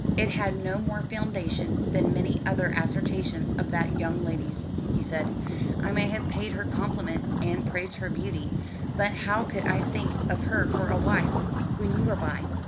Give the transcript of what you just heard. "It had no more foundation than many other assertions of that young lady's," he said. "I may have paid her compliments, and praised her beauty; but how could I think of her for a wife, when you were by?